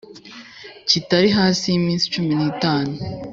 Kitari hasi y iminsi cumi n itanu